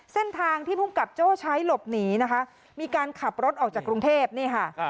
เส้นทางที่ภูมิกับโจ้ใช้หลบหนีนะคะมีการขับรถออกจากกรุงเทพนี่ค่ะ